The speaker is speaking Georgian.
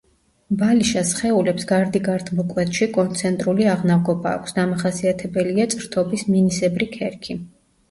ბალიშა სხეულებს გარდიგარდმო კვეთში კონცენტრული აღნაგობა აქვს, დამახასიათებელია წრთობის მინისებრი ქერქი.